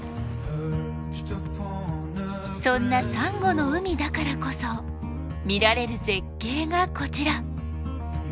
そんなサンゴの海だからこそ見られる絶景がこちら。